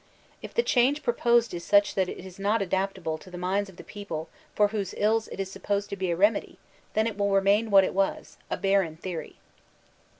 If the change proposed is such that it b not adaptable to the minds of the people for whose ills it is supposed to be a remedy, then it will remain what it was, a barren theory.